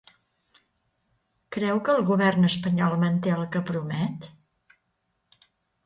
Creu que el govern espanyol manté el que promet?